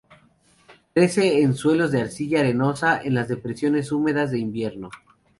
Crece en suelos de arcilla arenosa en las depresiones húmedas de invierno.